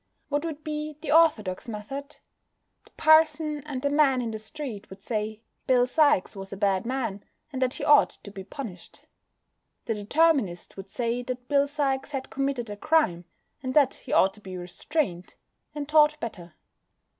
What would be the orthodox method? The parson and the man in the street would say Bill Sikes was a bad man, and that he ought to be punished. The Determinist would say that Bill Sikes had committed a crime, and that he ought to be restrained, and taught better.